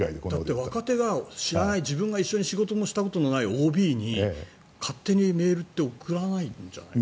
だって若手が知らない、自分が一緒に仕事をしたこともないＯＢに勝手にメールって送らないんじゃない？